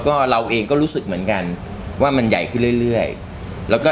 ก็เราเองก็รู้สึกเหมือนกันว่ามันใหญ่ขึ้นเรื่อยเรื่อยแล้วก็